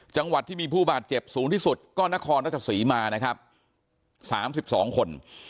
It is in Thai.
จังหวัดที่มีผู้บาดเจ็บสูงที่สุดก็นครราชศรีมานะครับ๓๒คน